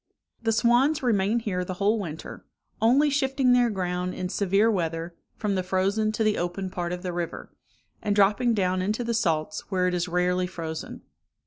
The swans remain here the whole winter, only shifting their ground in severe weather, from the frozen to the open part of the river, and dropping down into the salts, where it is rarely frozen.